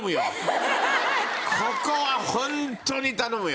ここはホントに頼むよ。